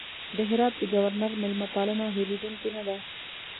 د هرات د ګورنر مېلمه پالنه هېرېدونکې نه ده.